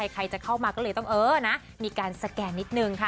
ใครจะเข้ามาก็เลยต้องเออนะมีการสแกนนิดนึงค่ะ